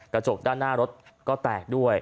กระจกด้านหน้ารถก็แตกด้วย